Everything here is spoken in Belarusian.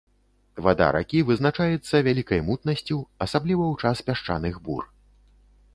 Вада ракі вызначаецца вялікай мутнасцю, асабліва ў час пясчаных бур.